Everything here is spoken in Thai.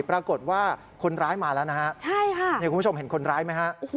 ปรากฏว่าคนร้ายมาแล้วนะฮะใช่ค่ะนี่คุณผู้ชมเห็นคนร้ายไหมฮะ